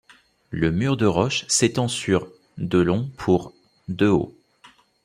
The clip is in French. Le mur de roches s’étend sur de long pour de haut.